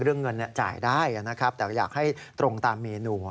เรื่องเงินจ่ายได้นะครับแต่ว่าอยากให้ตรงตามเมนู